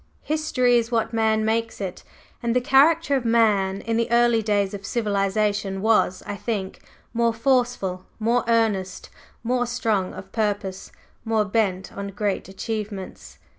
History is what man makes it; and the character of man in the early days of civilization was, I think, more forceful, more earnest, more strong of purpose, more bent on great achievements."